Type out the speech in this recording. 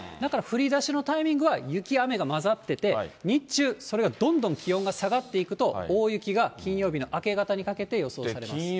だから、降りだしの気温は雪、雨が混ざってて、日中、それがどんどん気温が下がっていくと、大雪が金曜日の明け方にかけて予想されます。